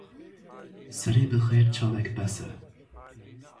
Serê bi xêr çavek bes e